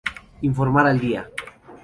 Informar al día.